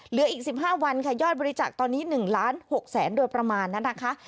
เหลืออีก๑๕วันค่ะยอดบริจาคตอนนี้๑ล้าน๖แสนโดยประมาณนั้นนะคะ